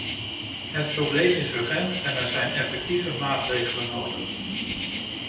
Het probleem is urgent en er zijn effectieve maatregelen nodig.